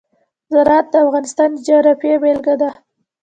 زراعت د افغانستان د جغرافیې بېلګه ده.